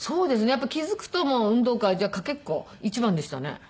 やっぱり気付くと運動会じゃかけっこ一番でしたね。